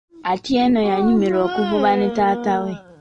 Atieno yanyumirwa okuvuba ne taata we.